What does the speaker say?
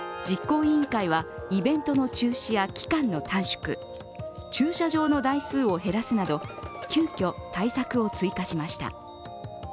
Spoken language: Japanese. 実行委員会はイベントの中止や期間の短縮、駐車場の台数を減らすなど、急きょ対策を追加しました。